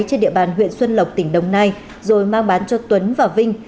trên địa bàn huyện xuân lộc tỉnh đồng nai rồi mang bán cho tuấn và vinh